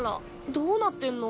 どうなってんの？